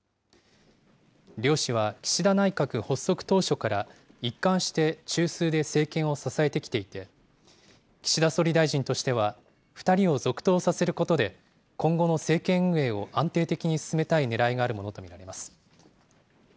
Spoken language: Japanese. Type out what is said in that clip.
両氏は岸田内閣発足当初から一貫して中枢で政権を支えてきていて、岸田総理大臣としては２人を続投させることで、今後の政権運営を安定的に進めたいねらいがあるものと見られます。